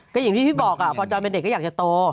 ก็อย่างที่พี่บอกพอจอยเป็นเด็กก็อยากจะโต